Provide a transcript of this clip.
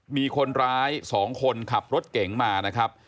มีคนร้าย๒คนขับรถเก๋งมานะครับ